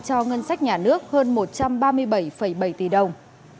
cho ngân sách nhà nước hơn một trăm ba mươi bảy bảy tỷ đồng